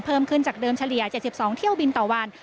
เพิ่มขึ้นจากเดิมเฉลี่ย๗๒เที่ยวบินต่อวัน